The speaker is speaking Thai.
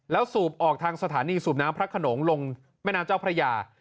แล้วสูบออกทางสถานีสูบน้ำพระขนงลงแม่น้ำเจ้าพระยา